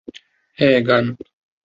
হ্যাঁ, গান।